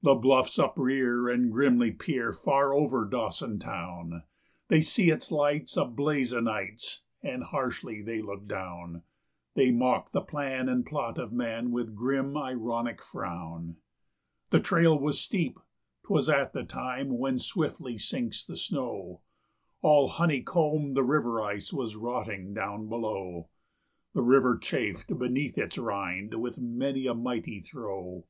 The bluffs uprear and grimly peer far over Dawson town; They see its lights a blaze o' nights and harshly they look down; They mock the plan and plot of man with grim, ironic frown. The trail was steep; 'twas at the time when swiftly sinks the snow; All honey combed, the river ice was rotting down below; The river chafed beneath its rind with many a mighty throe.